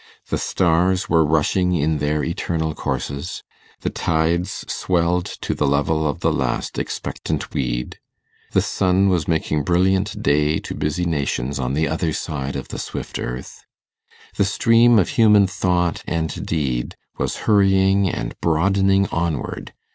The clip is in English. The stars were rushing in their eternal courses; the tides swelled to the level of the last expectant weed; the sun was making brilliant day to busy nations on the other side of the swift earth. The stream of human thought and deed was hurrying and broadening onward.